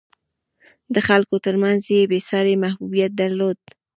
د خلکو ترمنځ یې بېساری محبوبیت درلود.